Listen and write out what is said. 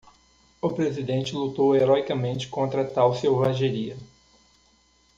O presidente lutou heroicamente contra tal selvageria.